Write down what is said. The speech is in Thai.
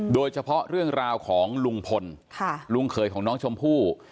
โดยเฉพาะเรื่องราวของลุงพลลุงเขยของน้องชมพู่